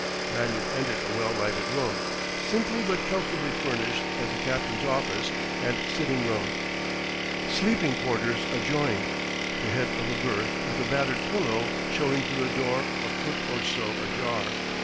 Lanyard entered a well lighted room, simply but comfortably furnished as the captain's office and sitting room; sleeping quarters adjoined, the head of a berth with a battered pillow showing through a door a foot or so ajar.